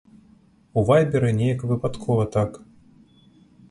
У вайберы неяк выпадкова так.